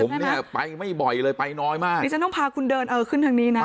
ผมเนี่ยไปไม่บ่อยเลยไปน้อยมากนี่ฉันต้องพาคุณเดินเออขึ้นทางนี้นะ